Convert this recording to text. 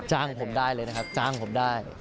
จ้างผมได้เลยนะครับจ้างผมได้